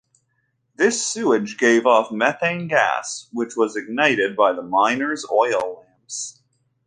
This sewage gave off methane gas which was ignited by the miner's oil lamps.